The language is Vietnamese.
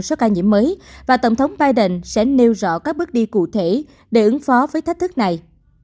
số ca nhiễm mới và tổng thống biden sẽ nêu rõ các bước đi cụ thể để ứng phó với thách thức này